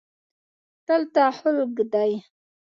دلته خلگ دی.